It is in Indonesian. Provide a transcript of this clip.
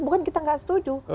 bukan kita tidak setuju